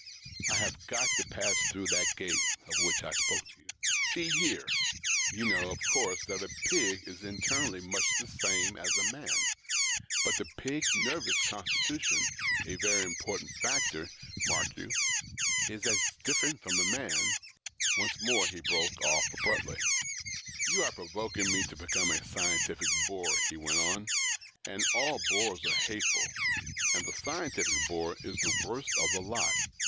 I have got to pass through that gate of which I spoke to you. See here, — you know, of course, that a pig is internally much the same as a man. But the pig's nervous constitution — a very important factor, mark you — is as different from a man's " Once more he broke off abruptly. " You are provoking me to become a scientific bore," he went on ;" and all bores are hateful ; and the scientific bore is the worst of the lot."